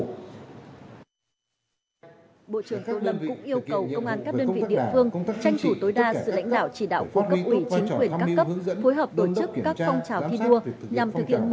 bộ trưởng tổ lâm cũng yêu cầu công an các đơn vị địa phương tranh thủ tối đa sự lãnh đạo chỉ đạo phong cấp ủy chính quyền các cấp phối hợp đối chức các phong trào thi đua